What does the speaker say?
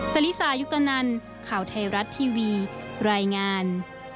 ศรีษายุคตอนนั้นข่าวไทยรัฐทีวีรายงาน